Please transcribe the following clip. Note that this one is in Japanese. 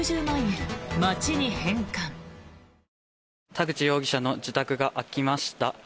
田口容疑者の自宅が開きました。